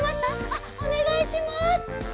あっおねがいします。